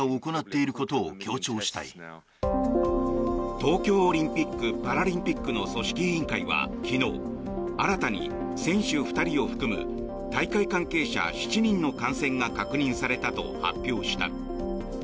東京オリンピック・パラリンピックの組織委員会は昨日新たに選手２人を含む大会関係者７人の感染が確認されたと発表した。